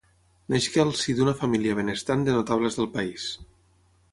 Nasqué al si d'una família benestant de notables del país.